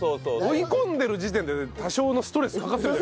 追い込んでる時点で多少のストレスかかってる。